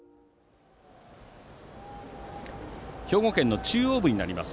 兵庫県の中央部にあります